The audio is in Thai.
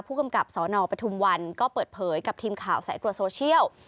ผู้กำกับสนปทุมวันก็เปิดเผยกับทีมข่าวสายตรวจโซเชียล